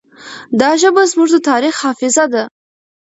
دا ژبه زموږ د تاریخ حافظه ده.